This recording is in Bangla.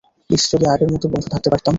ইশ, যদি আগের মতো বন্ধু থাকতে পারতাম!